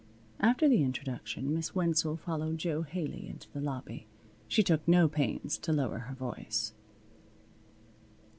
After the introduction Miss Wenzel followed Jo Haley into the lobby. She took no pains to lower her voice.